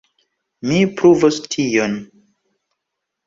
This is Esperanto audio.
Mi pruvos tion.